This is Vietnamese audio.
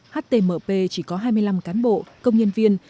htmp chỉ có hai mươi năm cán bộ công nhân viên